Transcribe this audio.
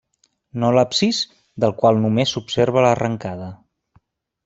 No l'absis, del qual només s'observa l'arrencada.